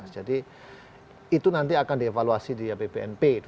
jadi itu nanti akan dievaluasi di abbnp dua ribu tujuh belas